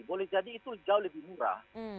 boleh jadi itu jauh lebih murah